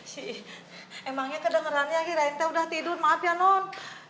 si emangnya kedengerannya akhirnya enggak udah tidur maaf ya non